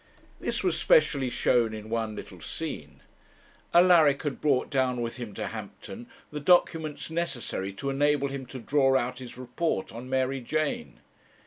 This was specially shown in one little scene. Alaric had brought down with him to Hampton the documents necessary to enable him to draw out his report on Mary Jane.